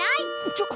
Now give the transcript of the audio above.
ちょっ。